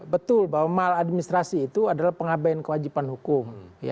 betul bahwa mal administrasi itu adalah pengabin kewajiban hukum